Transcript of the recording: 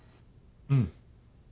うん。